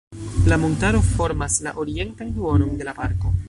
La montaro formas la orientan duonon de la Parko.